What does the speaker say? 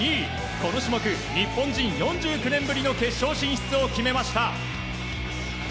この種目、日本人４９年ぶりの決勝進出を決めました。